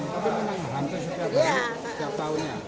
tapi memang menghantar setiap tahun ya